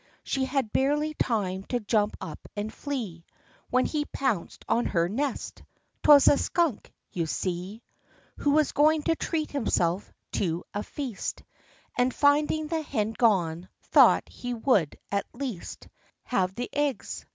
She had barely time to jump up and flee, When he pounced on her nest. 'Twas a skunk, you see, Who was going to treat himself to a feast; And finding the hen gone, thought he would, at least, Have the eggs.